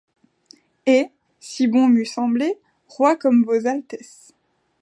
Et, si bon m'eût semblé, roi comme vos altesses ;